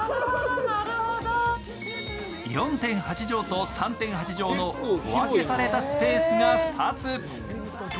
４．８畳と３．８畳の小分けされたスペースが２つ。